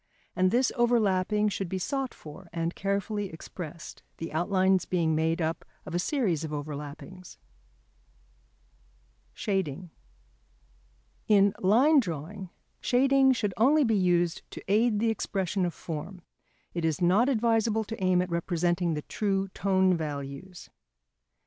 And this overlapping should be sought for and carefully expressed, the outlines being made up of a series of overlappings. [Sidenote: Shading.] In Line Drawing shading should only be used to aid the expression of form. It is not advisable to aim at representing the true tone values.